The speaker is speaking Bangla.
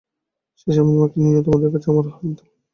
শেষে আমার মাকে নিয়েও তোমার কাছে আমার হার মানতে হল।